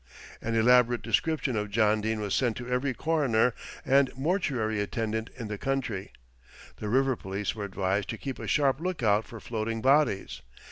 An elaborate description of John Dene was sent to every coroner and mortuary attendant in the country. The river police were advised to keep a sharp look out for floating bodies.